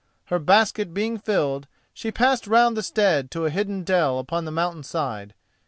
Her basket being filled, she passed round the stead to a hidden dell upon the mountain side.